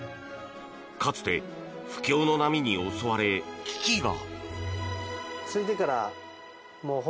かつて、不況の波に襲われ危機が！